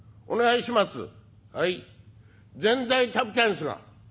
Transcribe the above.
「お願いします」。